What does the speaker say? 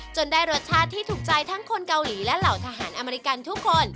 ได้รสชาติที่ถูกใจทั้งคนเกาหลีและเหล่าทหารอเมริกันทุกคน